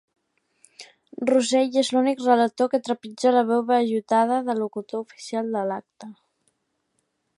Russell és l'únic relator que trepitja la veu vellutada del locutor oficial de l'acte.